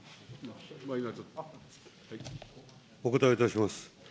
お答えをいたします。